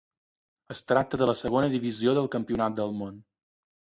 Es tracta de la segona divisió del campionat del món.